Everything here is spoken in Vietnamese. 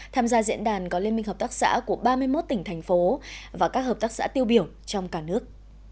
tham gia diễn đàn có liên minh hợp tác xã của ba mươi một tỉnh thành phố và các hợp tác xã tiêu biểu trong cả nước